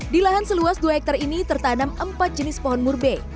di lahan seluas dua hektare ini tertanam empat jenis pohon murbe